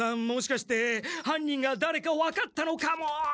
もしかしてはん人がだれか分かったのかも。